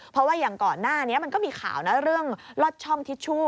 เพราะว่าอย่างก่อนหน้านี้มันก็มีข่าวนะเรื่องลอดช่องทิชชู่